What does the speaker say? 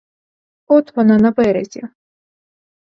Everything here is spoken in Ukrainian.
От вона на березі.